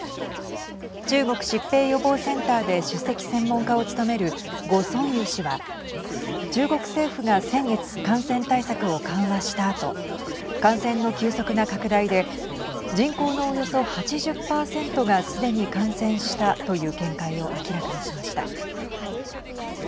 中国疾病予防センターで首席専門家を務める呉尊友氏は中国政府が先月感染対策を緩和したあと感染の急速な拡大で人口のおよそ８０％がすでに感染したという見解を明らかにしました。